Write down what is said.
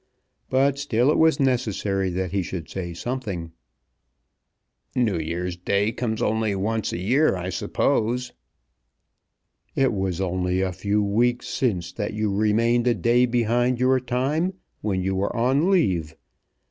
But still it was necessary that he should say something. "New Year's Day comes only once a year, I suppose." "It was only a few weeks since that you remained a day behind your time when you were on leave.